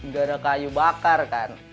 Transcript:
gara kayu bakar kan